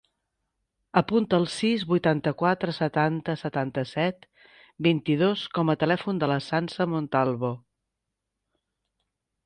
Apunta el sis, vuitanta-quatre, setanta, setanta-set, vint-i-dos com a telèfon de la Sança Montalvo.